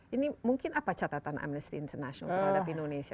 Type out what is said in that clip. ini mungkin apa catatan amnesty international terhadap indonesia